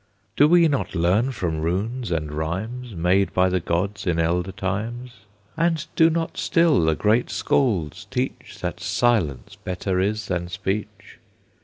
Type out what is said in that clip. "Do we not learn from runes and rhymes Made by the gods in elder times, And do not still the great Scalds teach That silence better is than speech?"